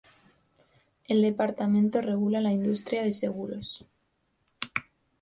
El departamento regula la industria de seguros.